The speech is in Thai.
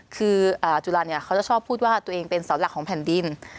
คือจุฬาเนี่ยเขาจะชอบพูดว่าตัวเองเป็นเสาหลักของแผ่นดิน